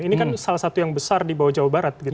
ini kan salah satu yang besar di bawah jawa barat gitu